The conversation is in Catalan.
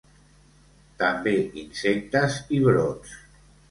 També insectes i brots.